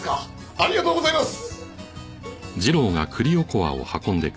ありがとうございます！